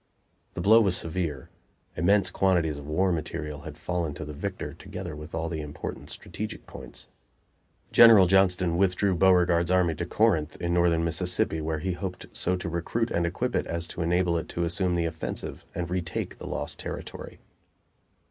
The blow was severe: immense quantities of war material had fallen to the victor, together with all the important strategic points. General Johnston withdrew Beauregard's army to Corinth, in northern Mississippi, where he hoped so to recruit and equip it as to enable it to assume the offensive and retake the lost territory.